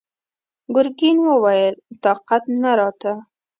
ګرګين وويل: طاقت نه راته!